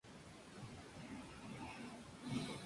El área vio enormes bajas a ambas fuerzas militares y civiles.